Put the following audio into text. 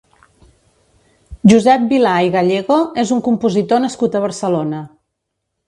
Josep Vilà i Gallego és un compositor nascut a Barcelona.